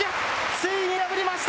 ついに破りました。